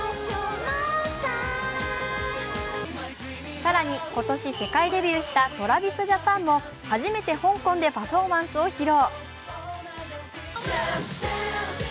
更に、今年世界デビューしたＴｒａｖｉｓＪａｐａｎも初めて香港でパフォーマンスを披露。